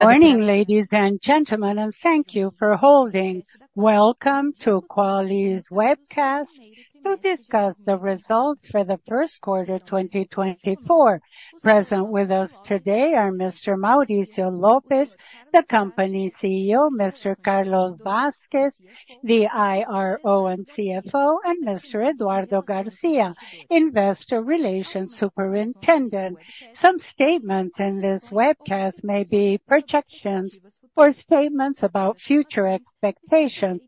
Morning, ladies and gentlemen, and thank you for holding. Welcome to Qualicorp Webcast to discuss the results for the Q1 2024. Present with us today are Mr. Maurício Lopes, the company CEO; Mr. Carlos Vasques, the IRO and CFO; and Mr. Eduardo Garcia, Investor Relations Superintendent. Some statements in this webcast may be projections or statements about future expectations.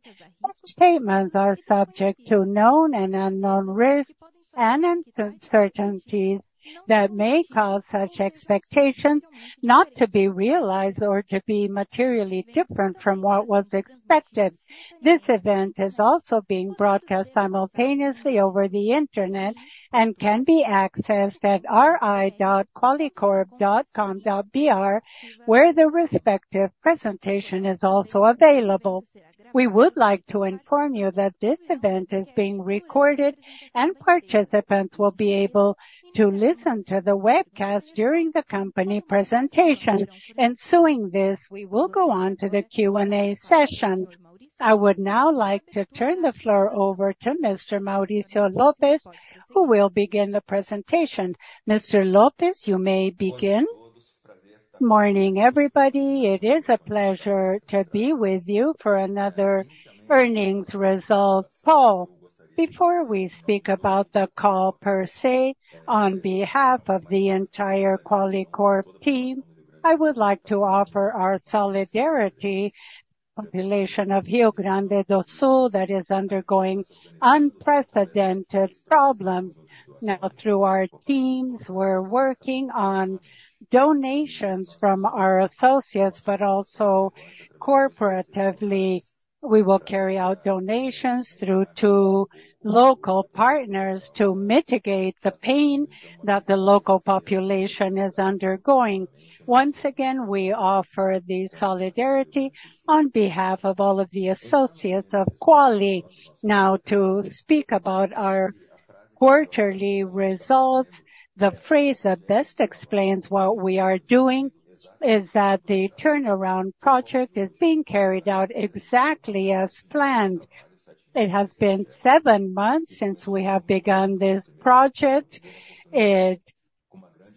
Such statements are subject to known and unknown risks and uncertainties that may cause such expectations not to be realized or to be materially different from what was expected. This event is also being broadcast simultaneously over the internet and can be accessed at ri.qualicorp.com.br, where the respective presentation is also available. We would like to inform you that this event is being recorded and participants will be able to listen to the webcast during the company presentation. Ensuing this, we will go on to the Q&A session. I would now like to turn the floor over to Mr. Maurício Lopes, who will begin the presentation. Mr. Lopes, you may begin. Morning, everybody. It is a pleasure to be with you for another earnings results. Folks, before we speak about the call per se, on behalf of the entire Qualicorp team, I would like to offer our solidarity to the population of Rio Grande do Sul that is undergoing unprecedented problems. Now, through our teams, we're working on donations from our associates, but also corporatively, we will carry out donations through two local partners to mitigate the pain that the local population is undergoing. Once again, we offer the solidarity on behalf of all of the associates of Quali. Now, to speak about our quarterly results, the phrase that best explains what we are doing is that the turnaround project is being carried out exactly as planned. It has been seven months since we have begun this project. It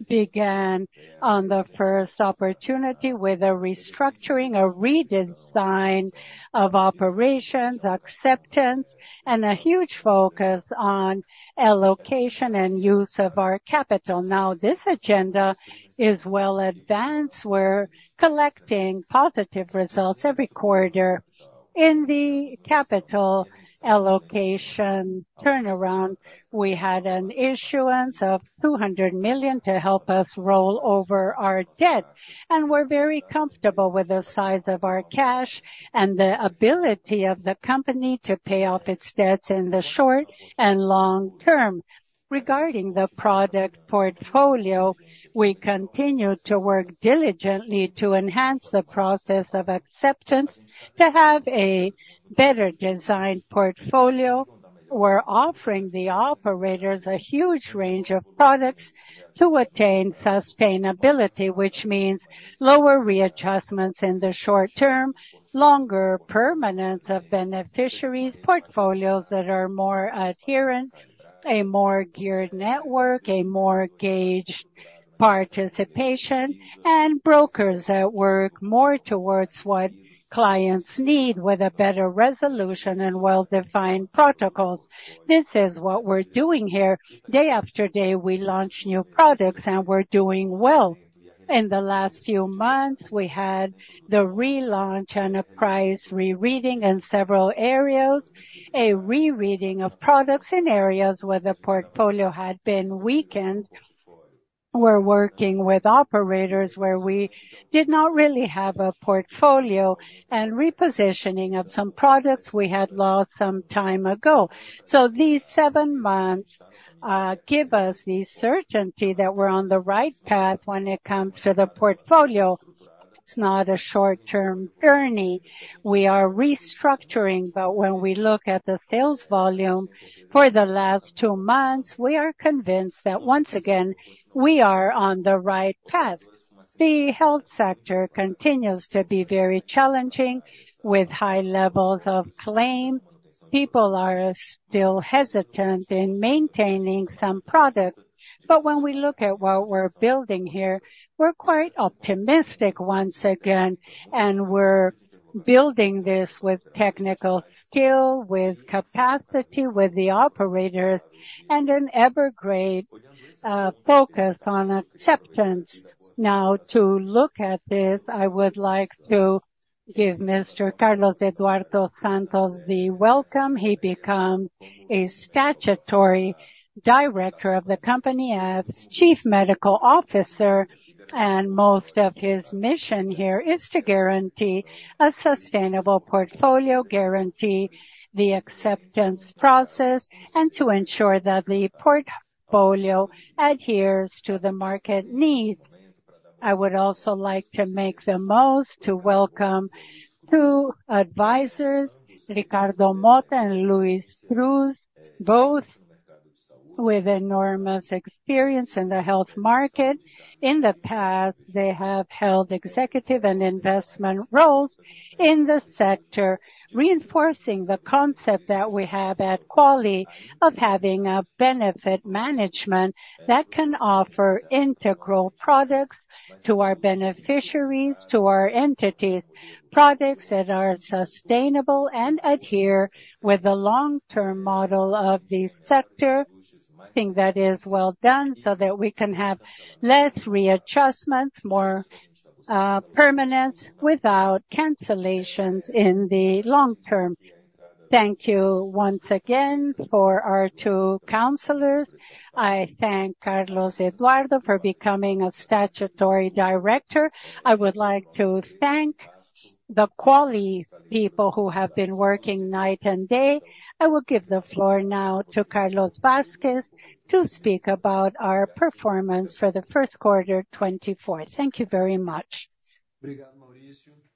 began on the first opportunity with a restructuring, a redesign of operations, acceptance, and a huge focus on allocation and use of our capital. Now, this agenda is well advanced. We're collecting positive results every quarter. In the capital allocation turnaround, we had an issuance of 200 million to help us roll over our debt, and we're very comfortable with the size of our cash and the ability of the company to pay off its debts in the short and long term. Regarding the product portfolio, we continue to work diligently to enhance the process of acceptance, to have a better designed portfolio. We're offering the operators a huge range of products to attain sustainability, which means lower readjustments in the short term, longer permanence of beneficiaries, portfolios that are more adherent, a more geared network, a more gauged participation, and brokers that work more towards what clients need with a better resolution and well-defined protocols. This is what we're doing here. Day after day, we launch new products, and we're doing well. In the last few months, we had the relaunch and a price re-rating in several areas, a re-rating of products in areas where the portfolio had been weakened. We're working with operators where we did not really have a portfolio and repositioning of some products we had lost some time ago. So these seven months give us the certainty that we're on the right path when it comes to the portfolio. It's not a short-term journey. We are restructuring, but when we look at the sales volume for the last two months, we are convinced that, once again, we are on the right path. The health sector continues to be very challenging with high levels of claim. People are still hesitant in maintaining some products. But when we look at what we're building here, we're quite optimistic once again, and we're building this with technical skill, with capacity, with the operators, and an ever-greater focus on acceptance. Now, to look at this, I would like to give Mr. Carlos Eduardo Santos the welcome. He becomes a Statutory Director of the company as Chief Medical Officer, and most of his mission here is to guarantee a sustainable portfolio, guarantee the acceptance process, and to ensure that the portfolio adheres to the market needs. I would also like to make the most to welcome two advisors, Ricardo Mota and Luiz Cruz, both with enormous experience in the health market. In the past, they have held executive and investment roles in the sector, reinforcing the concept that we have at Quali of having a benefit management that can offer integral products to our beneficiaries, to our entities, products that are sustainable and adhere with the long-term model of the sector. I think that is well done so that we can have less readjustments, more permanence without cancellations in the long term. Thank you once again for our two counselors. I thank Carlos Eduardo for becoming a statutory director. I would like to thank the Quali people who have been working night and day. I will give the floor now to Carlos Vasques to speak about our performance for the Q1 2024. Thank you very much.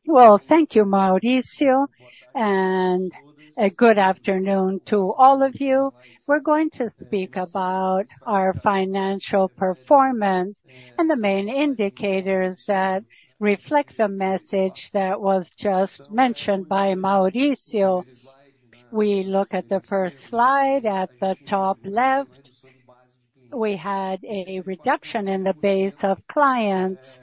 Well, thank you, Maurício, and a good afternoon to all of you. We're going to speak about our financial performance and the main indicators that reflect the message that was just mentioned by Maurício. We look at the first slide at the top left. We had a reduction in the base of clients,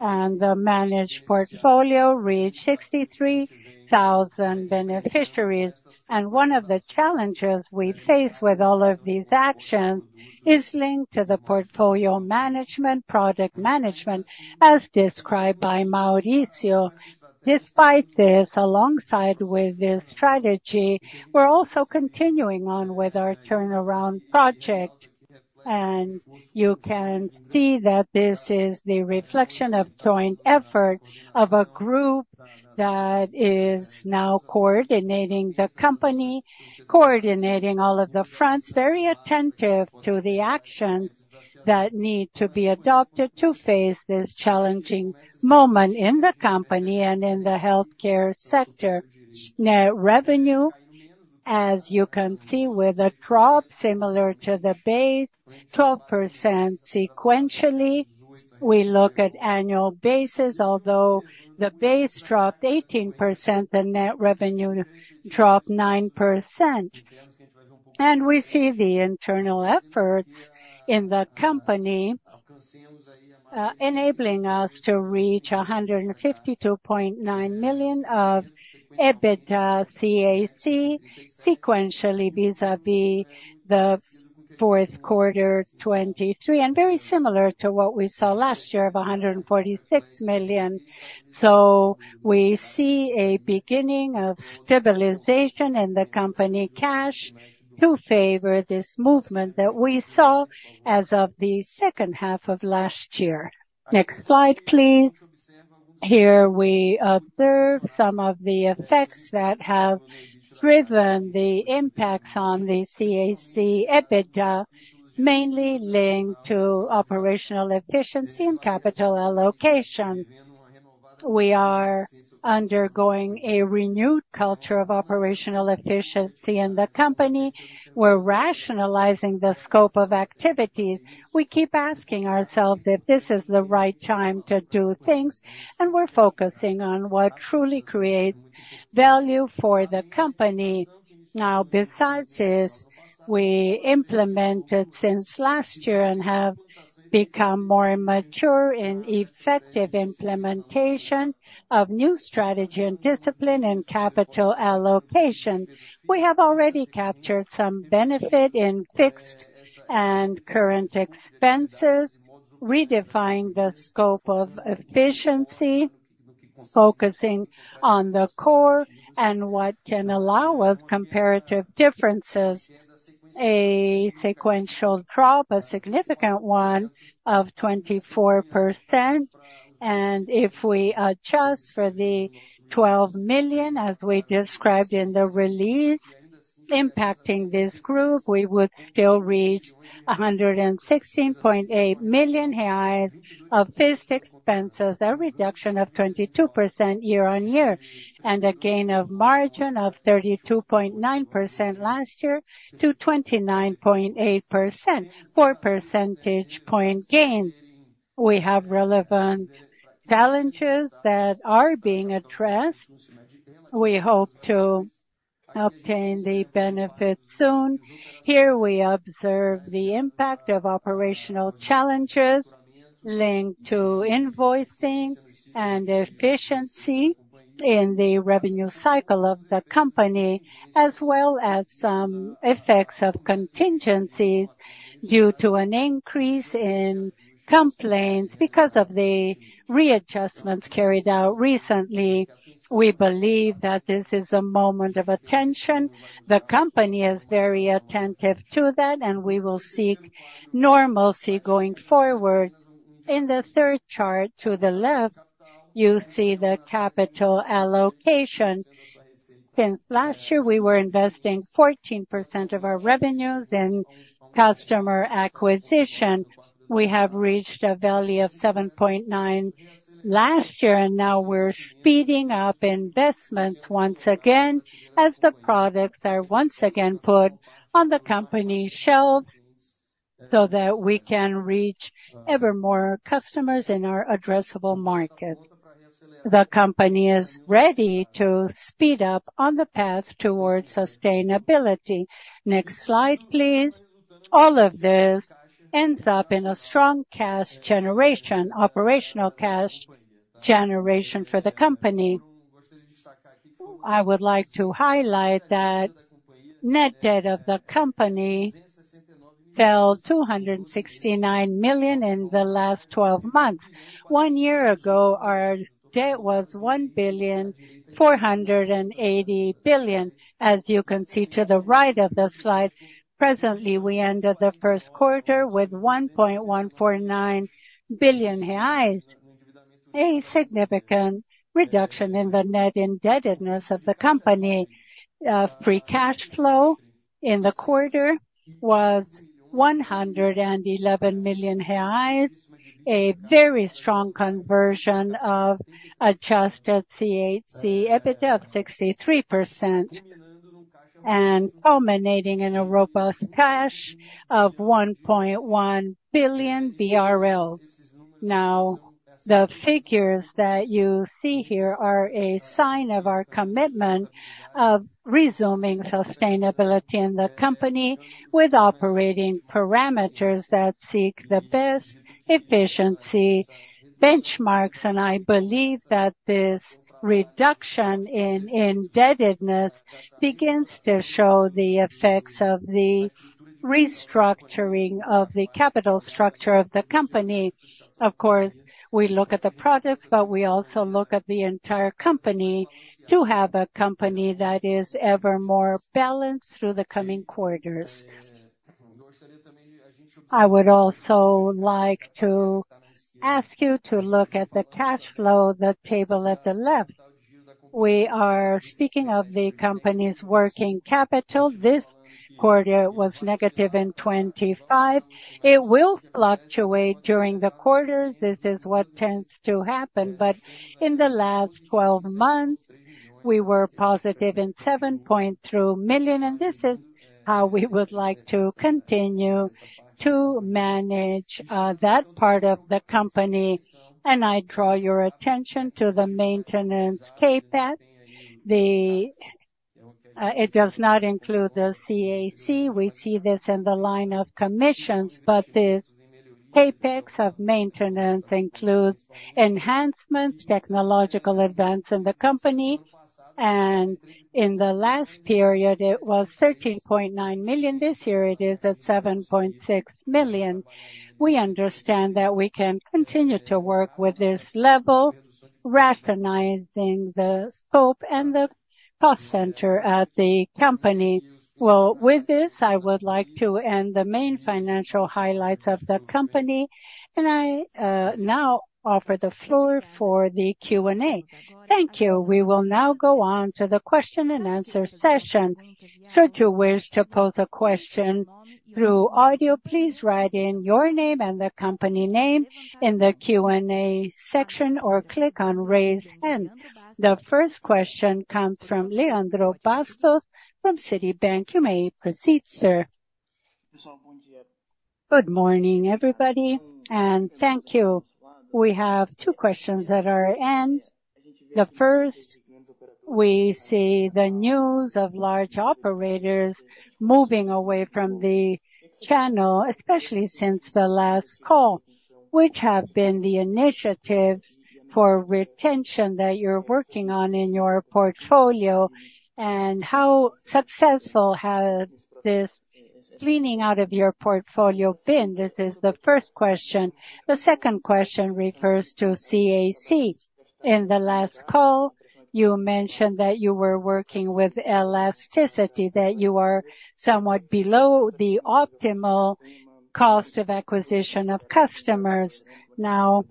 and the managed portfolio reached 63,000 beneficiaries. One of the challenges we face with all of these actions is linked to the portfolio management, product management, as described by Maurício. Despite this, alongside with this strategy, we're also continuing on with our turnaround project. You can see that this is the reflection of joint effort of a group that is now coordinating the company, coordinating all of the fronts, very attentive to the actions that need to be adopted to face this challenging moment in the company and in the healthcare sector. Net revenue, as you can see, with a drop similar to the base, 12% sequentially. We look at annual basis, although the base dropped 18%, the net revenue dropped 9%. We see the internal efforts in the company enabling us to reach 152.9 million of EBITDA CAC sequentially vis-à-vis the Q4 2023, and very similar to what we saw last year of 146 million. We see a beginning of stabilization in the company cash to favor this movement that we saw as of the second half of last year. Next slide, please. Here we observe some of the effects that have driven the impacts on the CAC EBITDA, mainly linked to operational efficiency and capital allocation. We are undergoing a renewed culture of operational efficiency in the company. We're rationalizing the scope of activities. We keep asking ourselves if this is the right time to do things, and we're focusing on what truly creates value for the company. Now, besides this, we implemented since last year and have become more mature in effective implementation of new strategy and discipline in capital allocation. We have already captured some benefit in fixed and current expenses, redefining the scope of efficiency, focusing on the core and what can allow us comparative differences, a sequential drop, a significant one of 24%. If we adjust for the 12 million, as we described in the release impacting this group, we would still reach 116.8 million reais of fixed expenses, a reduction of 22% year-over-year, and a gain of margin of 32.9%-29.8% last year, four percentage point gains. We have relevant challenges that are being addressed. We hope to obtain the benefits soon. Here we observe the impact of operational challenges linked to invoicing and efficiency in the revenue cycle of the company, as well as some effects of contingencies due to an increase in complaints because of the readjustments carried out recently. We believe that this is a moment of attention. The company is very attentive to that, and we will seek normalcy going forward. In the third chart to the left, you see the capital allocation. Since last year, we were investing 14% of our revenues in customer acquisition. We have reached a value of 7.9 last year, and now we're speeding up investments once again as the products are once again put on the company's shelves so that we can reach ever more customers in our addressable market. The company is ready to speed up on the path towards sustainability. Next slide, please. All of this ends up in a strong cash generation, operational cash generation for the company. I would like to highlight that net debt of the company fell 269 million in the last 12 months. One year ago, our debt was 1.480 billion, as you can see to the right of the slide. Presently, we ended the Q1 with 1.149 billion reais, a significant reduction in the net indebtedness of the company. Free cash flow in the quarter was 111 million reais, a very strong conversion of adjusted CAC EBITDA of 63%, and culminating in a robust cash of 1.1 billion BRL. Now, the figures that you see here are a sign of our commitment of resuming sustainability in the company with operating parameters that seek the best efficiency benchmarks. I believe that this reduction in indebtedness begins to show the effects of the restructuring of the capital structure of the company. Of course, we look at the products, but we also look at the entire company to have a company that is ever more balanced through the coming quarters. I would also like to ask you to look at the cash flow, the table at the left. We are speaking of the company's working capital. This quarter was negative in 25. It will fluctuate during the quarters. This is what tends to happen. But in the last 12 months, we were positive in 7.3 million, and this is how we would like to continue to manage that part of the company. I draw your attention to the Maintenance CapEx. It does not include the CAC. We see this in the line of commissions, but the CapEx of maintenance includes enhancements, technological advance in the company. In the last period, it was 13.9 million. This year, it is at 7.6 million. We understand that we can continue to work with this level, rationalizing the scope and the cost center at the company. Well, with this, I would like to end the main financial highlights of the company. I now offer the floor for the Q&A. Thank you. We will now go on to the question and answer session. So if you wish to pose a question through audio, please write in your name and the company name in the Q&A section or click on Raise Hand. The first question comes from Leandro Bastos from Citibank. You may proceed, sir. Good morning, everybody, and thank you. We have two questions at our end. The first, we see the news of large operators moving away from the channel, especially since the last call. Which have been the initiatives for retention that you're working on in your portfolio, and how successful has this cleaning out of your portfolio been? This is the first question. The second question refers to CAC. In the last call, you mentioned that you were working with elasticity, that you are somewhat below the optimal cost of acquisition of customers. Now,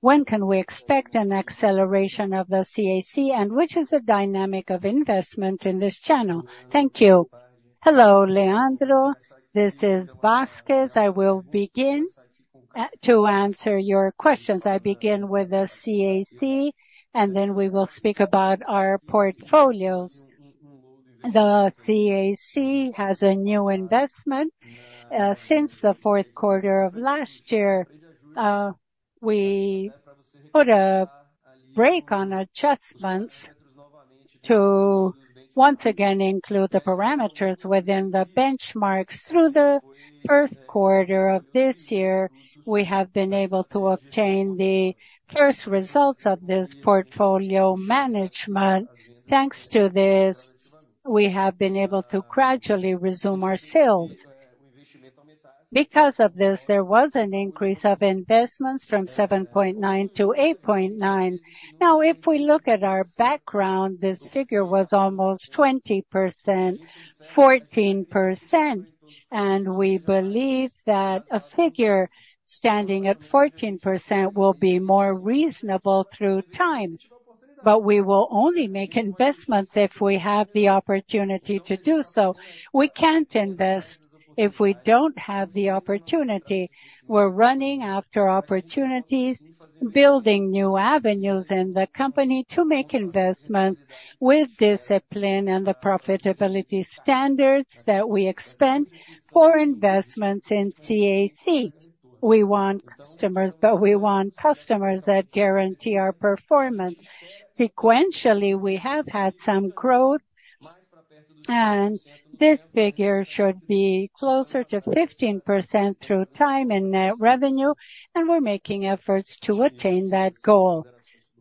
when can we expect an acceleration of the CAC, and which is the dynamic of investment in this channel? Thank you. Hello, Leandro. This is Vasques. I will begin to answer your questions. I begin with the CAC, and then we will speak about our portfolios. The CAC has a new investment. Since the Q4 of last year, we put a brake on our investments to once again include the parameters within the benchmarks. Through the Q1 of this year, we have been able to obtain the first results of this portfolio management. Thanks to this, we have been able to gradually resume our sales. Because of this, there was an increase of investments from 7.9-8.9. Now, if we look at our background, this figure was almost 20%, 14%, and we believe that a figure standing at 14% will be more reasonable through time. But we will only make investments if we have the opportunity to do so. We can't invest if we don't have the opportunity. We're running after opportunities, building new avenues in the company to make investments with discipline and the profitability standards that we expect for investments in CAC. We want customers, but we want customers that guarantee our performance. Sequentially, we have had some growth, and this figure should be closer to 15% through time in net revenue, and we're making efforts to attain that goal.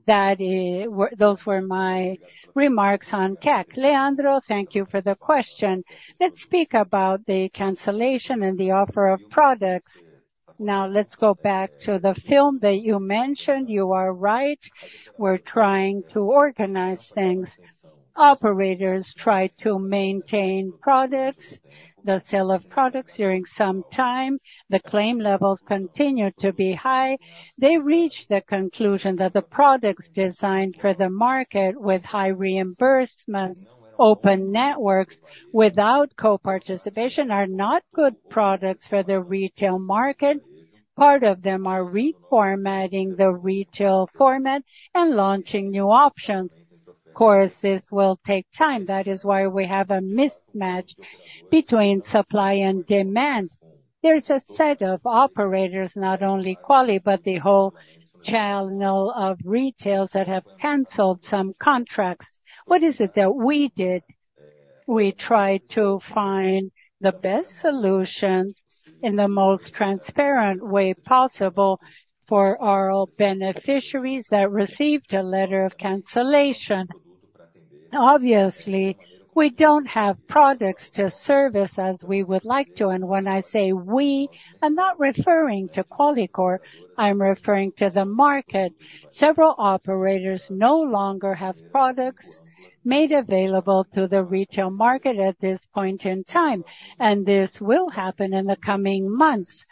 Those were my remarks on CAC. Leandro, thank you for the question. Let's speak about the cancellation and the offer of products. Now, let's go back to the film that you mentioned. You are right. We're trying to organize things. Operators try to maintain products, the sale of products during some time. The claim levels continue to be high. They reached the conclusion that the products designed for the market with high reimbursement, open networks without co-participation are not good products for the retail market. Part of them are reformatting the retail format and launching new options. Of course, this will take time. That is why we have a mismatch between supply and demand. There's a set of operators, not only Quali, but the whole channel of retailers that have canceled some contracts. What is it that we did? We tried to find the best solution in the most transparent way possible for our beneficiaries that received a letter of cancellation. Obviously, we don't have products to service as we would like to. And when I say we, I'm not referring to Qualicorp. I'm referring to the market. Several operators no longer have products made available to the retail market at this point in time, and this will happen in the coming months.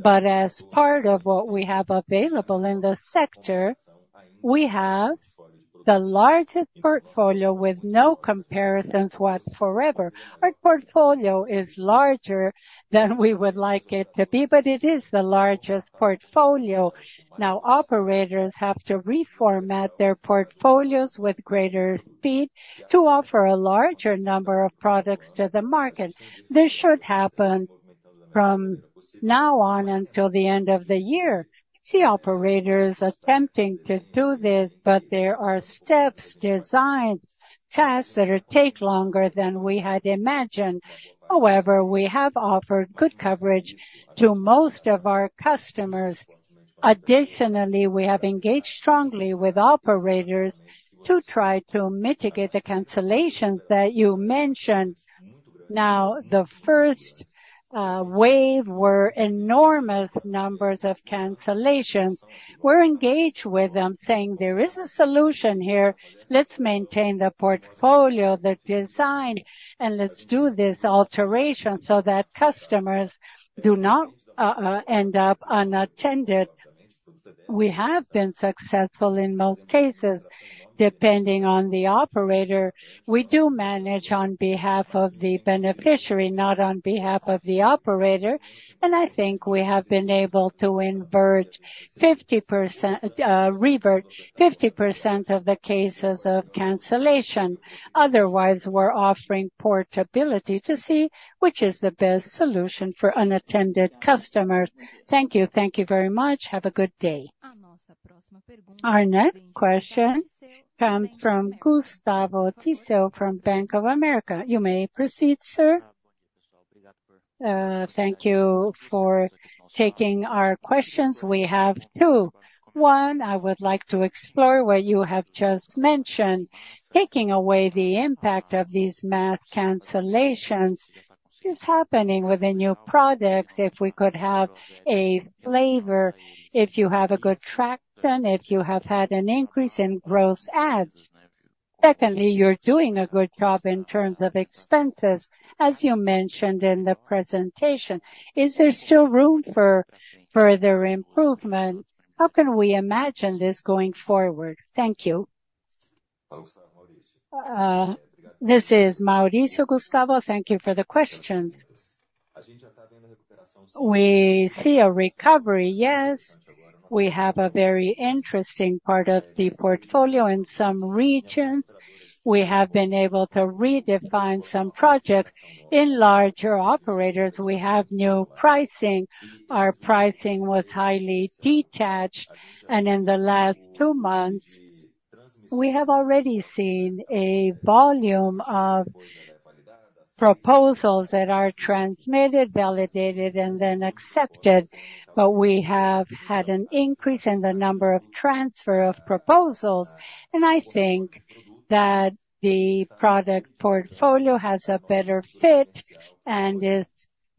But as part of what we have available in the sector, we have the largest portfolio with no comparisons whatsoever. Our portfolio is larger than we would like it to be, but it is the largest portfolio. Now, operators have to reformat their portfolios with greater speed to offer a larger number of products to the market. This should happen from now on until the end of the year. I see operators attempting to do this, but there are steps, designs, tasks that take longer than we had imagined. However, we have offered good coverage to most of our customers. Additionally, we have engaged strongly with operators to try to mitigate the cancellations that you mentioned. Now, the first wave were enormous numbers of cancellations. We're engaged with them, saying, "There is a solution here. Let's maintain the portfolio that's designed, and let's do this alteration so that customers do not end up unattended." We have been successful in most cases, depending on the operator. We do manage on behalf of the beneficiary, not on behalf of the operator. And I think we have been able to revert 50% of the cases of cancellation. Otherwise, we're offering portability to see which is the best solution for unattended customers. Thank you. Thank you very much. Have a good day. Our next question comes from Gustavo Tiseo from Bank of America. You may proceed, sir. Thank you for taking our questions. We have two. One, I would like to explore what you have just mentioned, taking away the impact of these mass cancellations just happening with a new product, if we could have a flavor, if you have good traction, if you have had an increase in gross adds. Secondly, you're doing a good job in terms of expenses, as you mentioned in the presentation. Is there still room for further improvement? How can we imagine this going forward? Thank you. This is Maurício, Gustavo. Thank you for the question. We see a recovery, yes. We have a very interesting part of the portfolio in some regions. We have been able to redefine some projects in larger operators. We have new pricing. Our pricing was highly detached, and in the last two months, we have already seen a volume of proposals that are transmitted, validated, and then accepted. But we have had an increase in the number of transfer of proposals, and I think that the product portfolio has a better fit and is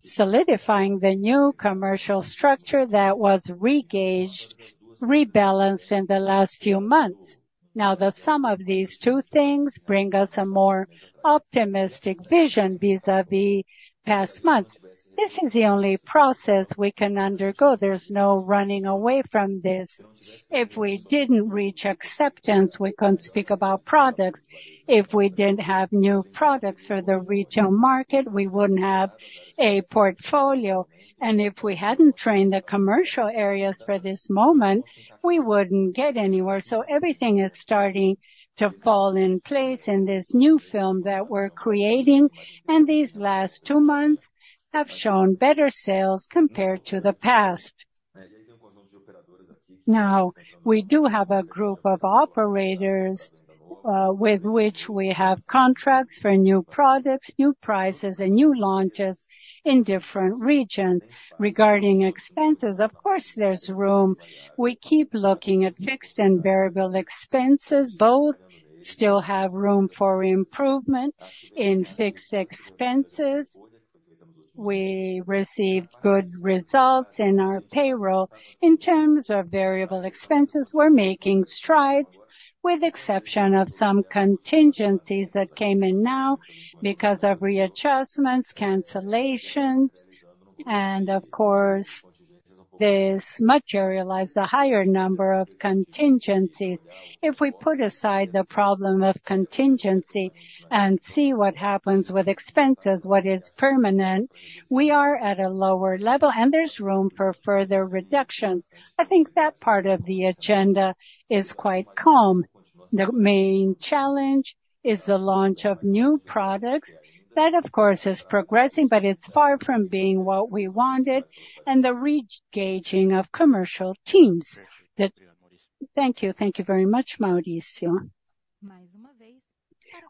solidifying the new commercial structure that was regained, rebalanced in the last few months. Now, the sum of these two things brings us a more optimistic vision vis-à-vis past month. This is the only process we can undergo. There's no running away from this. If we didn't reach acceptance, we couldn't speak about products. If we didn't have new products for the retail market, we wouldn't have a portfolio. And if we hadn't trained the commercial areas for this moment, we wouldn't get anywhere. So everything is starting to fall in place in this new film that we're creating, and these last two months have shown better sales compared to the past. Now, we do have a group of operators with which we have contracts for new products, new prices, and new launches in different regions. Regarding expenses, of course, there's room. We keep looking at fixed and variable expenses. Both still have room for improvement in fixed expenses. We received good results in our payroll. In terms of variable expenses, we're making strides, with the exception of some contingencies that came in now because of readjustments, cancellations, and, of course, this materialized a higher number of contingencies. If we put aside the problem of contingency and see what happens with expenses, what is permanent, we are at a lower level, and there's room for further reductions. I think that part of the agenda is quite calm. The main challenge is the launch of new products that, of course, is progressing, but it's far from being what we wanted, and the regaining of commercial teams. Thank you. Thank you very much, Maurício.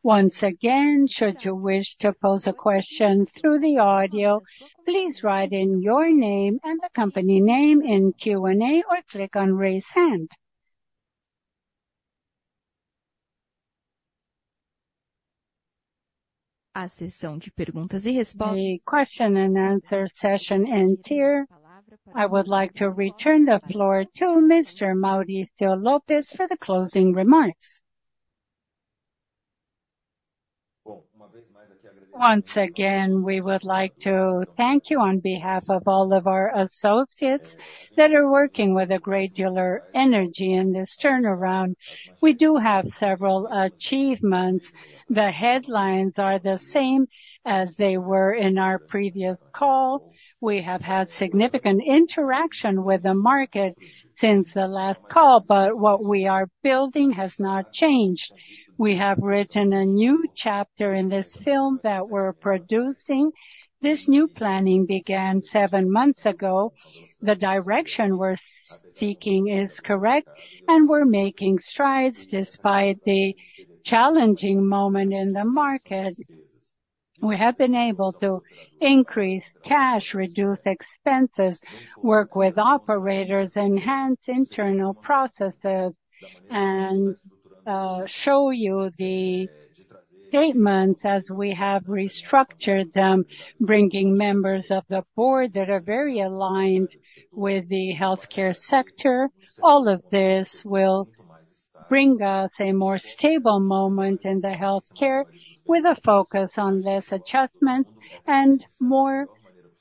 Once again, should you wish to pose a question through the audio, please write in your name and the company name in Q&A or click on Raise Hand. The question and answer session ends here. I would like to return the floor to Mr. Maurício Lopes for the closing remarks. Once again, we would like to thank you on behalf of all of our associates that are working with a great deal of energy in this turnaround. We do have several achievements. The headlines are the same as they were in our previous call. We have had significant interaction with the market since the last call, but what we are building has not changed. We have written a new chapter in this film that we're producing. This new planning began seven months ago. The direction we're seeking is correct, and we're making strides despite the challenging moment in the market. We have been able to increase cash, reduce expenses, work with operators, enhance internal processes, and show you the statements as we have restructured them, bringing members of the board that are very aligned with the healthcare sector. All of this will bring us a more stable moment in the healthcare with a focus on less adjustments and more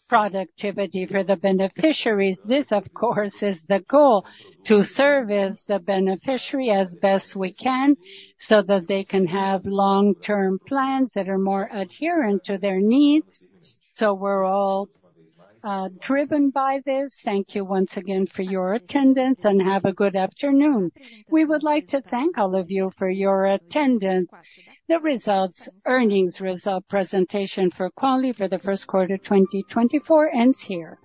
productivity for the beneficiaries. This, of course, is the goal, to service the beneficiary as best we can so that they can have long-term plans that are more adherent to their needs. So we're all driven by this. Thank you once again for your attendance, and have a good afternoon. We would like to thank all of you for your attendance. The earnings results presentation for Quali for the Q1 2024 ends here.